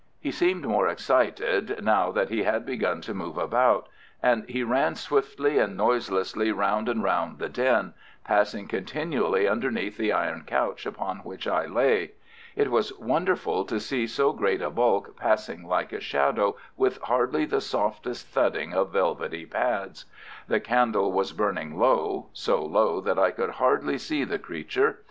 He seemed more excited now that he had begun to move about, and he ran swiftly and noiselessly round and round the den, passing continually underneath the iron couch upon which I lay. It was wonderful to see so great a bulk passing like a shadow, with hardly the softest thudding of velvety pads. The candle was burning low—so low that I could hardly see the creature.